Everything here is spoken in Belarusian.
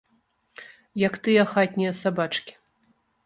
Як тыя хатнія сабачкі.